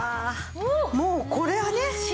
もうこれはね。